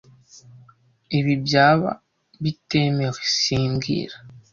Ibi byaba bitemewe, sibi mbwira